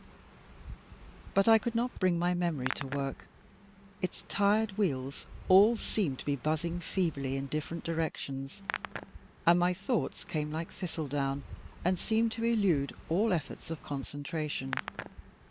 But I could not bring my memory to work; its tired wheels all seemed to be buzzing feebly in different directions, and my thoughts came like thistledown and seemed to elude all efforts of concentration.